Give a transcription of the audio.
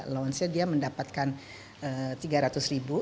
launch nya dia mendapatkan tiga ratus ribu